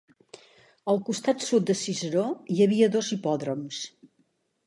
Al costat sud de Cicero hi havia dos hipòdroms.